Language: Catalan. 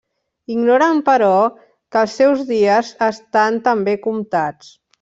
Ignoren, però, que els seus dies estan també comptats.